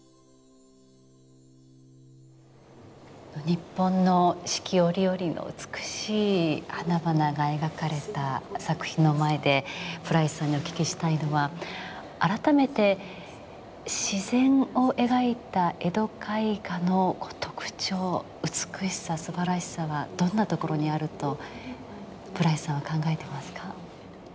日本の四季折々の美しい花々が描かれた作品の前でプライスさんにお聞きしたいのは改めて自然を描いた江戸絵画の特徴美しさすばらしさはどんなところにあるとプライスさんは考えていますか？